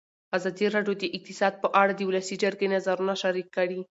ازادي راډیو د اقتصاد په اړه د ولسي جرګې نظرونه شریک کړي.